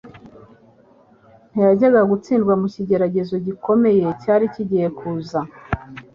ntiyajyaga gutsindwa mu kigeragezo gikomeye cyari kigiye kuza.